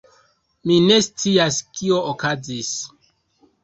Mi ne scias kio okazis